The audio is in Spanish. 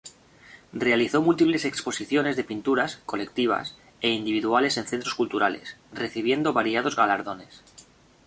Realizó múltiples exposiciones de pinturas colectivas e individuales en centros culturales, recibiendo variados galardones.